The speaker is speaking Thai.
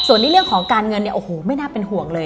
ส่วนในเรื่องของการเงินเนี่ยโอ้โหไม่น่าเป็นห่วงเลย